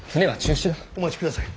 お待ちください。